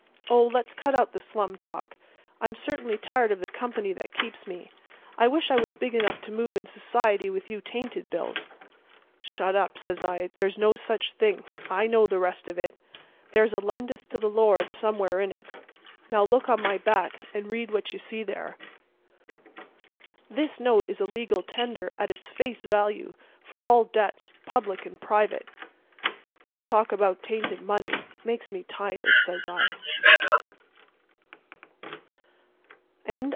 Oh, let's cut out the slum talk. I'm certainly tired of the company that keeps me. I wish I was big enough to move in society with you tainted bills." "Shut up," says I; "there's no such thing. I know the rest of it. There's a 'lendeth to the Lord' somewhere in it. Now look on my back and read what you see there." "This note is a legal tender at its face value for all debts public and private." "This talk about tainted money makes me tired," says I.